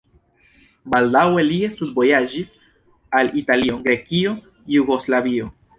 Baldaŭe li studvojaĝis al Italio, Grekio, Jugoslavio.